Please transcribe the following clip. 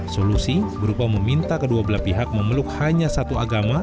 solusi berupa meminta kedua belah pihak memeluk hanya satu agama